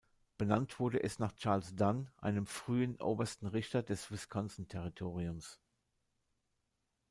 Benannt wurde es nach Charles Dunn, einem frühen Obersten Richter des Wisconsin-Territoriums.